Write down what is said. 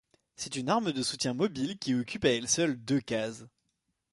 C’est une arme de soutien mobile qui occupe à elle seule deux cases.